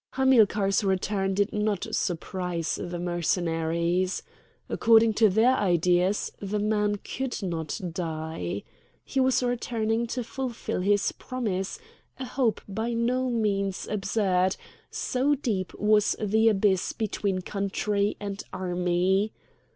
Hamilcar's return had not surprised the Mercenaries; according to their ideas the man could not die. He was returning to fulfil his promise;—a hope by no means absurd, so deep was the abyss between Country and Army.